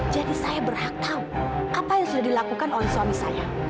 jadi saya berhak tahu apa yang sudah dilakukan oleh suami saya